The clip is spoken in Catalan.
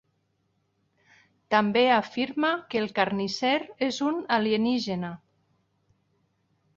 També afirma que el Carnisser és un alienígena.